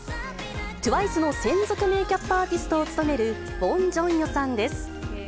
ＴＷＩＣＥの専属メーキャップアーティストを務めるウォン・ジョンヨさんです。